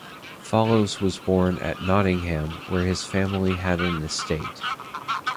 Fellows was born at Nottingham, where his family had an estate.